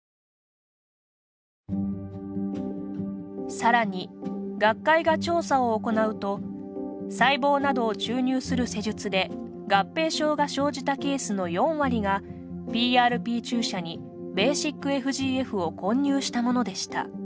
さらに、学会が調査を行うと細胞などを注入する施術で合併症が生じたケースの４割がＰＲＰ注射にｂＦＧＦを混入したものでした。